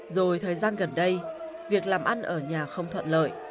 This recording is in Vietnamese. rồi thời gian gần đây việc làm ăn ở nhà không thuận lợi